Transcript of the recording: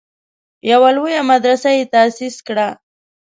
یوه لویه مدرسه یې تاسیس کړه.